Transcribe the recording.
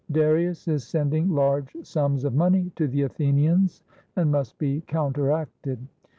Darius is sending large sums of money to the Athenians and must be counter acted.